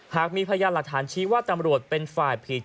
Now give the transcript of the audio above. หากมีพยานหลักฐานชี้ว่าตำรวจเป็นฝ่ายผิด